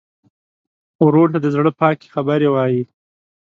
ورور ته د زړه پاکې خبرې وایې.